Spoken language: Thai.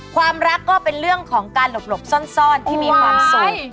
ความรักก็เป็นเรื่องของการหลบซ่อนที่มีความสุข